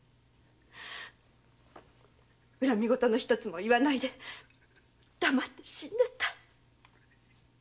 恨み言のひとつも言わないで黙って死んでいった。